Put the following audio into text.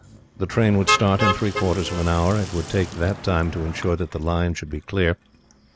The train would start in three quarters of an hour. It would take that time to insure that the line should be clear.